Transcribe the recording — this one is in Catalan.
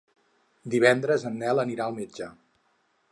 Divendres en Nel anirà al metge.